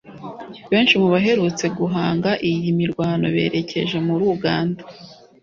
Benshi mu baherutse guhunga iyi mirwano berekeje muri Uganda